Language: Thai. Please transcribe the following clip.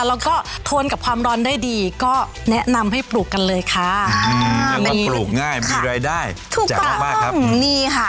แล้วก็ทนกับความร้อนได้ดีก็แนะนำให้ปลูกกันเลยค่ะอืมนึกว่าปลูกง่ายมีรายได้ถูกต้องนี่ค่ะ